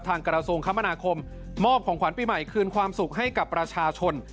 กระทรวงคมนาคมมอบของขวัญปีใหม่คืนความสุขให้กับประชาชน